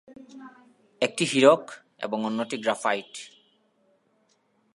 একটি হীরক এবং অন্যটি গ্রাফাইট।